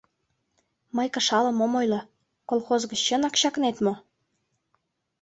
Мый кышалым ом ойло: колхоз гыч чынак чакнет мо?